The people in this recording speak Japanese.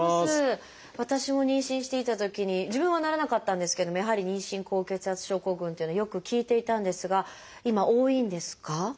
私も妊娠していたときに自分はならなかったんですけどもやはり妊娠高血圧症候群というのはよく聞いていたんですが今多いんですか？